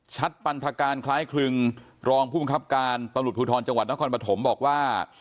ปันธการคล้ายคลึงรองผู้บังคับการตำรวจภูทรจังหวัดนครปฐมบอกว่า